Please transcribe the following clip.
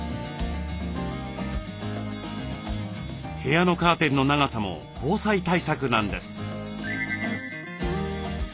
部屋のカーテンの長さも防災対策なんです。